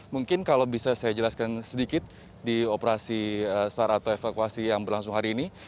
mungkin kalau bisa saya jelaskan sedikit di operasi sar atau evakuasi yang berlangsung hari ini